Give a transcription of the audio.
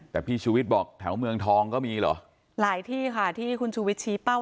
แต่พี่ชูวิทย์บอกแถวเมืองทองก็มีเหรอหลายที่ค่ะที่คุณชูวิทยชี้เป้า